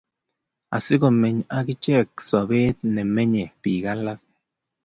Asikomeny akichek sobet nemenye bik alak